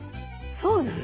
そうなの。